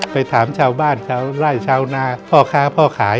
ไปถามชาวบ้านชาวไล่ชาวนาพ่อค้าพ่อขาย